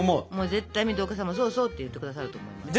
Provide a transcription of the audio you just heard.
絶対水戸岡さんも「そうそう」って言って下さると思います。